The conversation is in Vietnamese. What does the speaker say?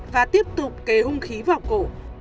và tiếp tục kề hung khí vào cổ